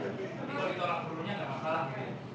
tapi kalau ditolak seluruhnya enggak masalah pak